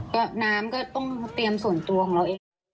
ก็น้ำก็ต้องเตรียมส่วนตัวของเราเอง